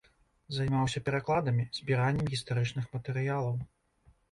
Займаўся перакладамі, збіраннем гістарычных матэрыялаў.